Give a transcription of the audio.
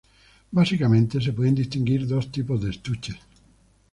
Básicamente, se pueden distinguir dos tipos de estuches.